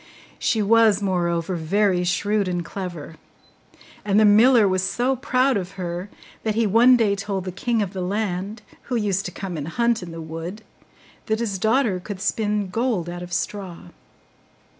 She was, moreover, very shrewd and clever; and the miller was so proud of her, that he one day told the king of the land, who used to come and hunt in the wood, that his daughter could spin gold out of straw.